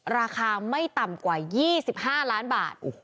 ราคาไม่ต่ำกว่า๒๕ล้านบาท